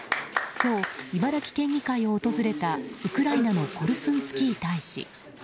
今日、茨城県議会を訪れたウクライナのコルスンスキー大使。